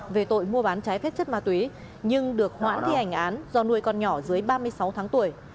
về tội mua bán trái phép chất ma túy nhưng được hoãn thi hành án do nuôi con nhỏ dưới ba mươi sáu tháng tuổi